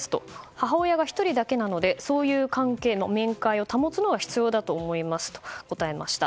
母親が１人だけなのでそういう関係、面会を保つことが必要だと思いますと答えました。